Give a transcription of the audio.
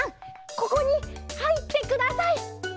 ここにはいってください！